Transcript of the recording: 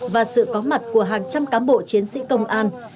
và sự có mặt của hàng trăm cán bộ chiến sĩ công an